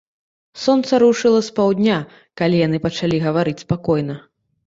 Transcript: Сонца рушыла з паўдня, калі яны пачалі гаварыць спакойна.